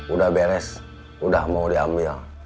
udah beres udah mau diambil